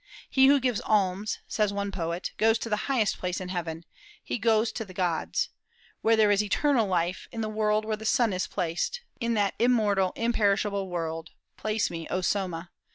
"He who gives alms," says one poet, "goes to the highest place in heaven: he goes to the gods.... Where there is eternal light, in the world where the sun is placed, in that immortal, imperishable world, place me, O Soma!